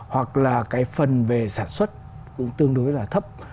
hoặc là cái phần về sản xuất cũng tương đối là thấp